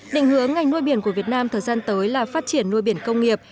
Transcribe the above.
định hướng ngành nuôi biển của việt nam thời gian tới là phát triển nuôi biển công nghiệp